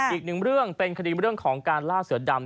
อีกหนึ่งเรื่องเป็นคดีเรื่องของการล่าเสือดำ